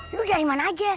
lu dari mana aja